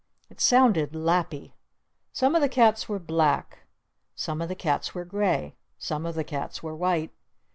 It sounded lappy! Some of the cats were black. Some of the cats were gray. Some of the cats were white.